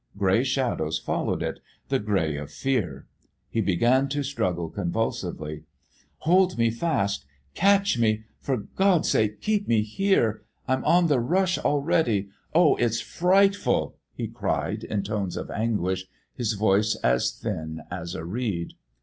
Grey shadows followed it the grey of fear. He began to struggle convulsively. "Hold me fast! Catch me! For God's sake, keep me here! I'm on the rush already. Oh, it's frightful!" he cried in tones of anguish, his voice as thin as a reed.